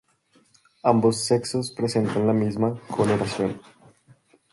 Ambos sexos presentan la misma coloración.